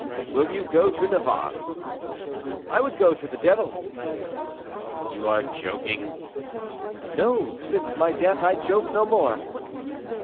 "Will you go to Navarre?" "I would go to the devil." "You are joking." "No; since my death I joke no more."